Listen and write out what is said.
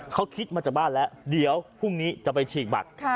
เขาคิดมาจากบ้านแล้วเดี๋ยวพรุ่งนี้จะไปฉีกบัตร